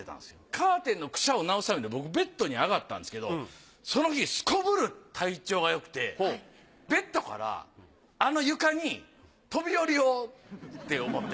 カーテンのクシャを直したくて僕ベッドに上がったんですけどその日すこぶる体調がよくてベッドからあの床に飛び降りようって思って。